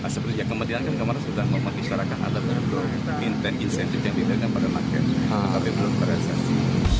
sepertinya kementerian kan kemarin sudah mengisarakan ada insentif yang diterima oleh lakes tapi belum terhiasasi